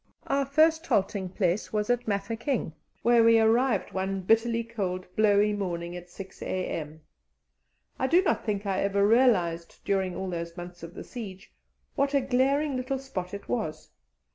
Our first halting place was at Mafeking, where we arrived one bitterly cold, blowy morning at 6 a.m. I do not think I ever realized, during all those months of the siege, what a glaring little spot it was.